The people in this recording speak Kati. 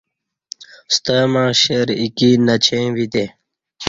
ستمع شیر ایکی نچیں ویتے